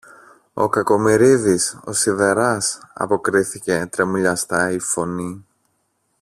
ο Κακομοιρίδης, ο σιδεράς, αποκρίθηκε τρεμουλιαστά η φωνή.